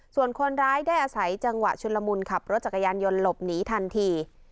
ส่วนคนร้ายได้อาศัยจังหวะชุนละมุนขับรถจักรยานยนต์หลบหนีทันที